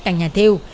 cả nhà thêu